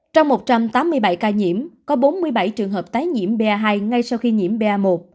trong một trăm tám mươi bảy ca nhiễm có bốn mươi bảy trường hợp tái nhiễm ba hai ngay sau khi nhiễm ba